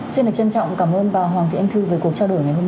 xin được trân trọng cảm ơn bà hoàng thị anh thư về cuộc trao đổi ngày hôm nay